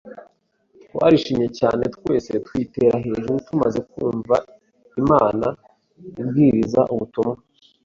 Twarishimye cyane twese twitera hejuru tumaze kumva Imana ibwiriza ubutumwa